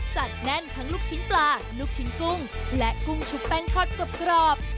แน่นทั้งลูกชิ้นปลาลูกชิ้นกุ้งและกุ้งชุบแป้งทอดกรอบ